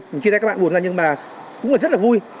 mình chia tay các bạn buồn ra nhưng mà cũng là rất là vui